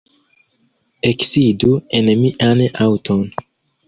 Eksidu en mian aŭton.